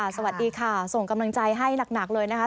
สวัสดีค่ะส่งกำลังใจให้หนักเลยนะคะ